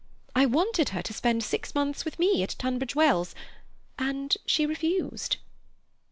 I wanted her to spend six months with me at Tunbridge Wells, and she refused."